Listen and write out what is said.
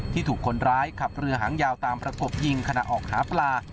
ถูกคนร้ายขับเรือหางยาวตามประกบยิงขณะออกหาปลา